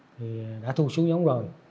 thì đã thu xuống giống rồi